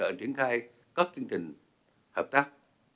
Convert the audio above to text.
hỗ trợ triển khai các chương trình hợp tác